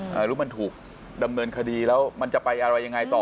หรือมันถูกดำเนินคดีแล้วมันจะไปอะไรยังไงต่อ